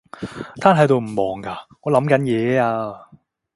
癱喺度唔忙㗎？我諗緊嘢呀